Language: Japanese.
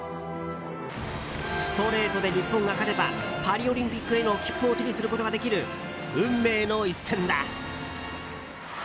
ストレートで日本が勝てばパリオリンピックへの切符を手にすることができる運命の一戦だ。